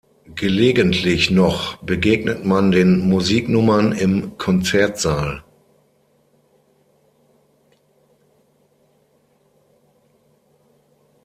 Gelegentlich noch begegnet man den Musiknummern im Konzertsaal.